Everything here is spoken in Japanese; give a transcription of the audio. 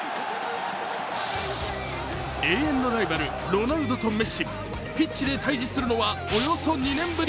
永遠のライバル、ロナウドとメッシピッチで対峙するのはおよそ２年ぶり。